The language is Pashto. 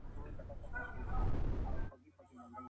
ایا د لیکلو له لاري حافظه ډېره پیاوړې کېږي؟